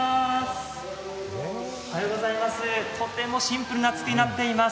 とてもシンプルなつくりになっています。